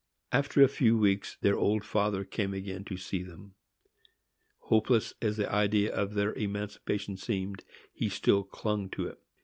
After a few weeks their old father came again to see them. Hopeless as the idea of their emancipation seemed, he still clung to it.